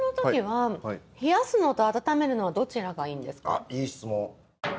あっ、いい質問！